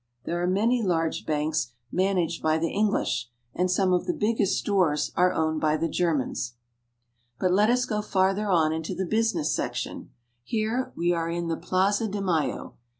There are many large banks man 196 ARGENTINA. aged by the English, and some of tlie biggest stores are owned by the Germans. But let us go farther on into the business section. Here we are in the Plaza de Mayo.